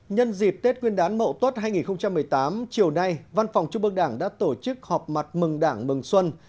nhân dịp tết nguyên đán mậu tuất hai nghìn một mươi tám chiều nay văn phòng trung mương đảng đã tổ chức họp mặt mừng đảng mừng xuân